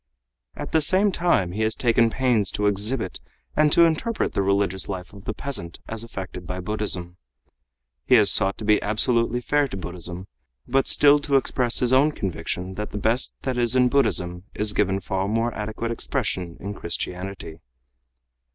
At the same time he has taken pains to exhibit and to interpret the religious life of the peasant as affected by Buddhism. He has sought to be absolutely fair to Buddhism, but still to express his own conviction that the best that is in Buddhism is given far more adequate expression in Christianity.